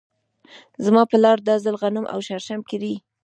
زما پلار دا ځل غنم او شړشم کري.